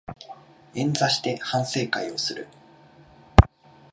円座して反省会をする